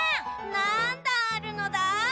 なんだんあるのだ？